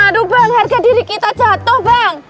aduh bang harga diri kita jatuh bang